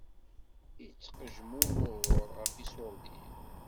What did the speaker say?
Ittqejmumuṛ ɣef iṣuṛdiyen.